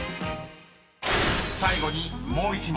［最後にもう１問。